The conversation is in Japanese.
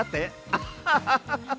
アッハハハハ！